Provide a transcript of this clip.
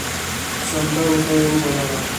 سندرو ته يې وبللم .